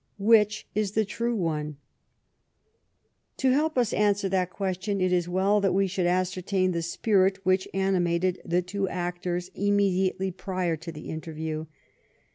Which is the true one ? 110 LIFE OF PRINCE 3IETTERNICK To help us to answer that question it is well that we shouhl ascertain the spirit which animated the two actors immediately prior to the interview.